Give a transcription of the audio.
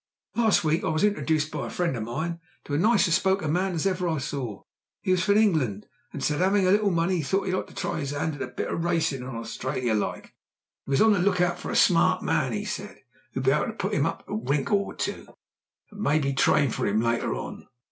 "Last week I was introduced by a friend of mine to as nice a spoken man as ever I saw. He was from England, he said and having a little money thought he'd like to try his 'and at a bit o' racing in Australia, like. He was on the look out for a smart man, he said, who'd be able to put him up to a wrinkle or two, and maybe train for him later on.